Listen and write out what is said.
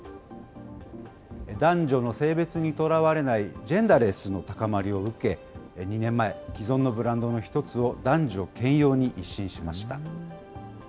男女の性別にとらわれない、ジェンダーレスの高まりを受け、２年前、既存のブランドの１つを男女兼用に一新しました。